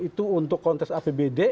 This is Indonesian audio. itu untuk kontes apbd